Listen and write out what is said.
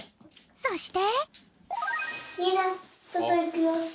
そして。